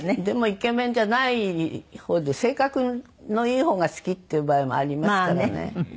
でもイケメンじゃない方で性格のいい方が好きっていう場合もありますからね。